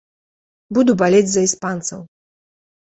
Буду балець за іспанцаў.